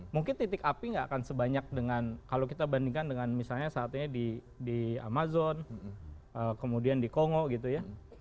mungkin titik api nggak akan sebanyak dengan kalau kita bandingkan dengan misalnya saat ini di amazon kemudian di kongo gitu ya